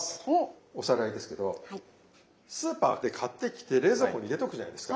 おさらいですけどスーパーで買ってきて冷蔵庫に入れとくじゃないですか。